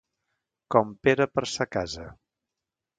Com Pere per sa casa.